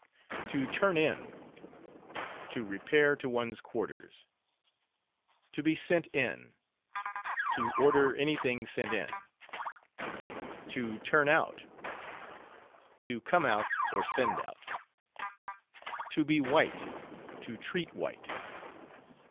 "To turn in." To repair to one's quarters. "To be sent in." To order any thing sent in. "To turn out." To come out, or send out. "To be white," "To treat white."